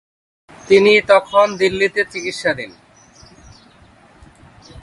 তিনি তখন দিল্লিতে চিকিৎসাধীন।